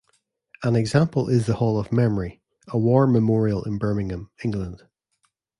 An example is the Hall of Memory, a war memorial in Birmingham, England.